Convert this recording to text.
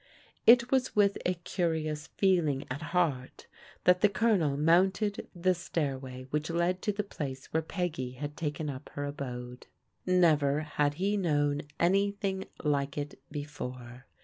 It was with a curious feeling at heart that the Colonel mounted the stairway which led to the place where Peggy had taken up her abode. Never had he known anything like it before.